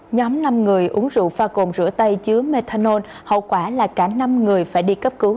nhóm năm người uống rượu pha cồn rửa tay chứa methanol hậu quả là cả năm người phải đi cấp cứu